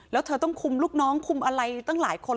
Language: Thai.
แล้วเธอต้องคุมลูกน้องคุมอะไรตั้งหลายคน